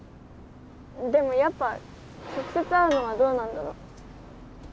でもやっぱ直接会うのはどうなんだろ。